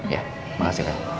ya makasih paal